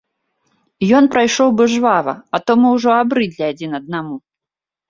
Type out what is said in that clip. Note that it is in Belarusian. Ён прайшоў бы жвава, а то мы ўжо абрыдлі адзін аднаму.